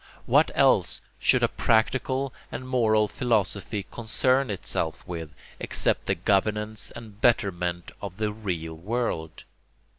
What else should a practical and moral philosophy concern itself with, except the governance and betterment of the real world?